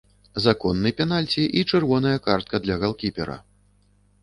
Законны пенальці і чырвоная картка для галкіпера.